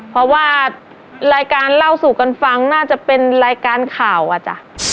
เพราะว่ารายการเล่าสู่กันฟังน่าจะเป็นรายการข่าวอ่ะจ้ะ